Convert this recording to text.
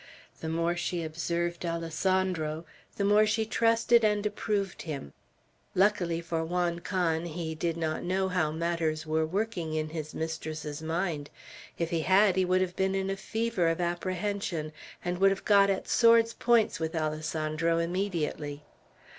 The more she observed Alessandro, the more she trusted and approved him. Luckily for Juan Can, he did not know how matters were working in his mistress's mind. If he had, he would have been in a fever of apprehension, and would have got at swords' points with Alessandro immediately.